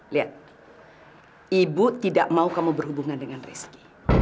lihat ibu tidak mau kamu berhubungan dengan rizky